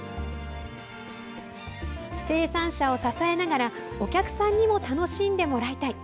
生産者を支えながらお客さんにも楽しんでもらいたい。